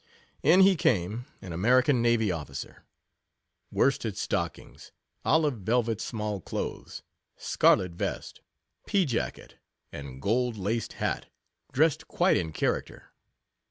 In he came— an American navy officer. Worsted stockings — olive vel vet small clothes— scarlet vest — pea jacket, and gold laced hat — dressed quite in charac ter.